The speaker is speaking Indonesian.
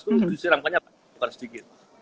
itu disiramkannya sedikit